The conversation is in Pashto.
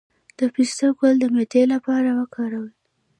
د پسته ګل د معدې لپاره وکاروئ